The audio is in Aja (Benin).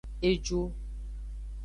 Eju.